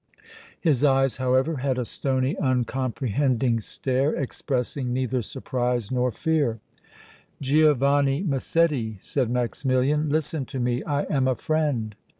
His eyes, however, had a stony, uncomprehending stare, expressing neither surprise nor fear. "Giovanni Massetti," said Maximilian, "listen to me! I am a friend!"